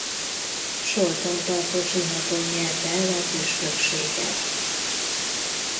Solton tartott zsinaton nyerte el a püspökséget.